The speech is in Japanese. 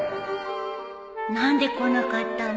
何で来なかったの？